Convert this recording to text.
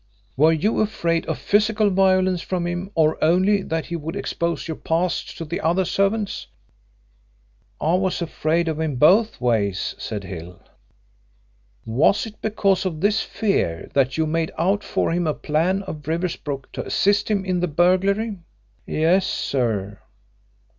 "Were you afraid of physical violence from him, or only that he would expose your past to the other servants?" "I was afraid of him both ways," said Hill. "Was it because of this fear that you made out for him a plan of Riversbrook to assist him in the burglary?" "Yes, sir."